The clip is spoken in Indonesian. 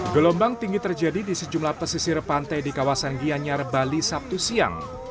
gelombang tinggi terjadi di sejumlah pesisir pantai di kawasan gianyar bali sabtu siang